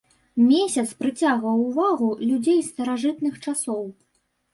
Месяц прыцягваў увагу людзей з старажытных часоў.